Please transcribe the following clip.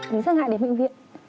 mình rất ngại đến viện viện